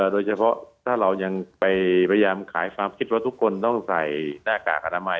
โดยเฉพาะถ้าเรายังไปพยายามขายความคิดว่าทุกคนต้องใส่หน้ากากอนามัย